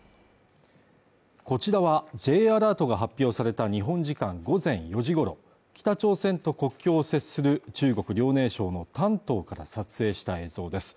こちらはＪアラートが発表された日本時間午前４時ごろ北朝鮮と国境を接する中国・遼寧省の丹東から撮影した映像です